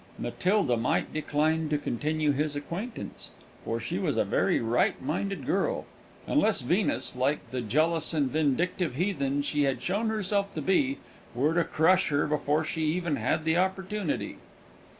Matilda might decline to continue his acquaintance for she was a very right minded girl unless Venus, like the jealous and vindictive heathen she had shown herself to be, were to crush her before she even had the opportunity.